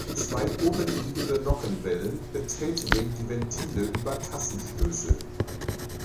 Zwei obenliegende Nockenwellen betätigten die Ventile über Tassenstößel.